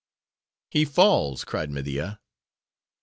"He falls!" cried Media.